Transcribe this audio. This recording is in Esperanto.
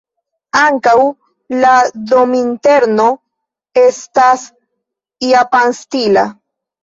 Ankaŭ la dominterno estas japanstila.